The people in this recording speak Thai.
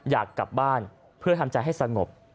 อยากกลับบ้านเพื่อทำใจให้สงบ